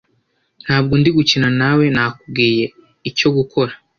Ntabwo ndi gukina nawe nakubwiye icyo gukora